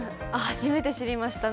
初めて知りました。